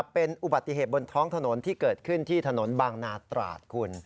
เป็นอุบัติเหตุบนท้องถนนที่เกิดขึ้นที่ถนนบางนาตราดคุณ